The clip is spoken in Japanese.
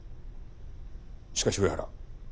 しかし上原